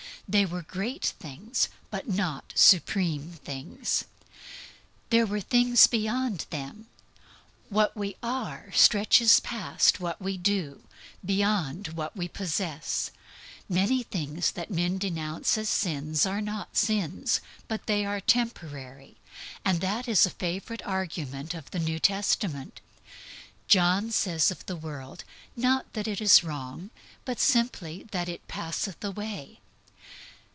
They were great things, but not supreme things. There were things beyond them. What we are stretches past what we do, beyond what we possess. Many things that men denounce as sins are not sins; but they are temporary. And that is a favorite argument of the New Testament. John says of the world, not that it is wrong, but simply that it "passeth away."